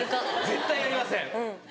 絶対やりません！